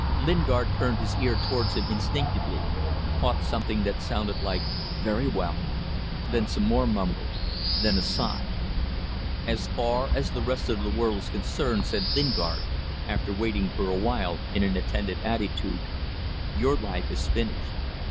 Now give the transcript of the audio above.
Lingard turned his ear towards him instinctively, caught something that sounded like "Very well" then some more mumbling then a sigh. "As far as the rest of the world is concerned," said Lingard, after waiting for awhile in an attentive attitude, "your life is finished.